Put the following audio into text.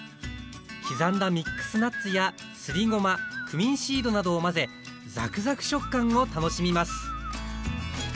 刻んだミックスナッツやすりごまクミンシードなどを混ぜザクザク食感を楽しみます